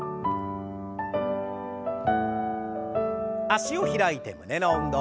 脚を開いて胸の運動。